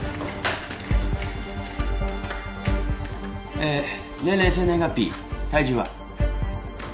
え年齢生年月日体重は？